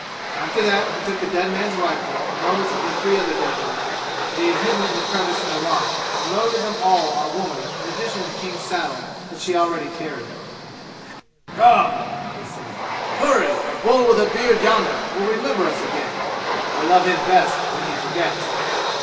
After that he took the dead man's rifle, and those of the three other dead men, that he had hidden in a crevice in the rock, and loaded them all on a woman in addition to King's saddle that she carried already. "Come!" he said. "Hurry, or Bull with a beard yonder will remember us again. I love him best when he forgets!"